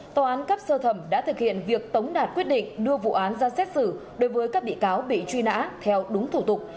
tòa án cấp sơ thẩm đã thực hiện việc tống đạt quyết định đưa vụ án ra xét xử đối với các bị cáo bị truy nã theo đúng thủ tục